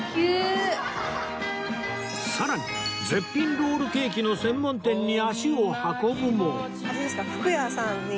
さらに絶品ロールケーキの専門店に足を運ぶも